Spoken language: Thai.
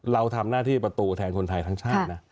เราทำหน้าที่ประตูแทนคนไทยทั้งชาตินะ